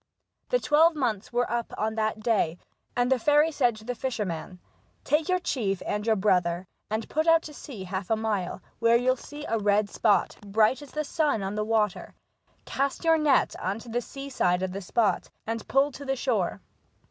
The twelve months were up on that day, and the fairy said to the fisherman :" Take your chief and your brother, and put out to sea half a mile, where you'll see a red spot, bright as the sun on the water ; cast in your net on the sea side of the spot, and pull to the shore."